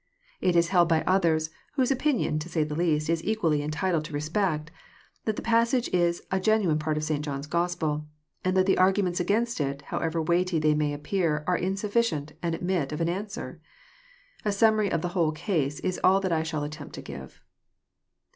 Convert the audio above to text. — It is held by others, whose opinion, to say the least, is equally entitled to re spect, that the passage is a genuine part of St. Johu's Gospel, and that the arguments agaiuf^t it, however weighty they may appear, are insufficient, and admit of an answer. A summary of the whole case is all that I shall attempt to give.